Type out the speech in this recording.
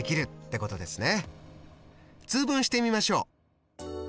通分してみましょう。